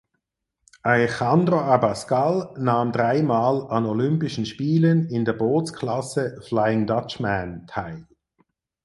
Alejandro Abascal nahm dreimal an Olympischen Spielen in der Bootsklasse Flying Dutchman teil.